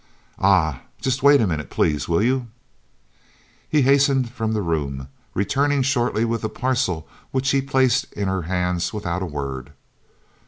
"Ah! Just wait a minute, please, will you?" He hastened from the room, returning shortly with a parcel which he placed in her hands without a word.